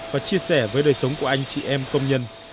và chia sẻ với đời sống của anh chị em công nhân